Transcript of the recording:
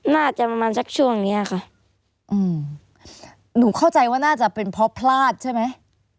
น่าจะประมาณสักช่วงเนี้ยค่ะอืมหนูเข้าใจว่าน่าจะเป็นเพราะพลาดใช่ไหม